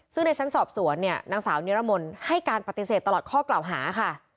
ซึ่งในชั้นสอบสวนเนี่ยนางสาวนิรมนต์ให้การปฏิเสธตลอดข้อกล่าวหาค่ะ